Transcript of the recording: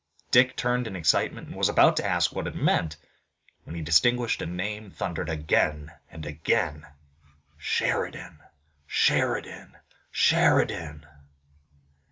Dick turned in excitement and he was about to ask what it meant, when he distinguished a name thundered again and again: "Sheridan! Sheridan! Sheridan!"